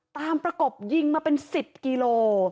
ตามประกบยิงมาเป็นสิบกิโล